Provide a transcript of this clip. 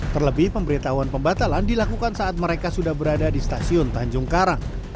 terlebih pemberitahuan pembatalan dilakukan saat mereka sudah berada di stasiun tanjung karang